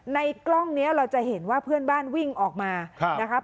กล้องนี้เราจะเห็นว่าเพื่อนบ้านวิ่งออกมานะครับ